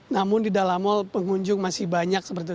namun di dalam mall pengunjung masih banyak sepertinya